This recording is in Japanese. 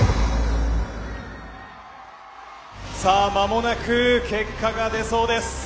さあ間もなく結果が出そうです。